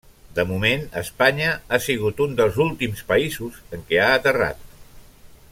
De moment, Espanya ha sigut un dels últims països en què ha aterrat.